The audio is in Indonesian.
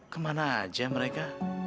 kemana aja mereka